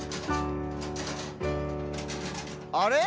あれ？